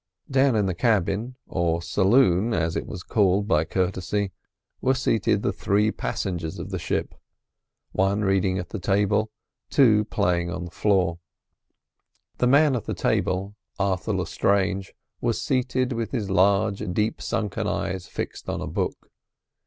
Down in the cabin—or saloon, as it was called by courtesy—were seated the three passengers of the ship; one reading at the table, two playing on the floor. The man at the table, Arthur Lestrange, was seated with his large, deep sunken eyes fixed on a book.